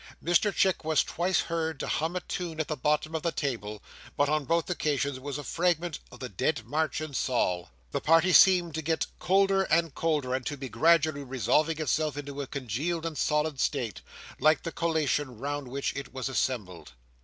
Mr Chick was twice heard to hum a tune at the bottom of the table, but on both occasions it was a fragment of the Dead March in Saul. The party seemed to get colder and colder, and to be gradually resolving itself into a congealed and solid state, like the collation round which it was assembled.